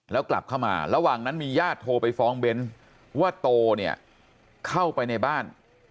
แล้วกลับเข้ามาระหว่างนั้นมีญาติโทรไปฟ้องเบ้นว่าโตเนี่ยเข้าไปในบ้าน